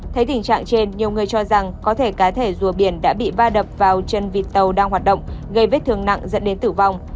thấy tình trạng trên nhiều người cho rằng có thể cá thể rùa biển đã bị va đập vào chân vịt tàu đang hoạt động gây vết thương nặng dẫn đến tử vong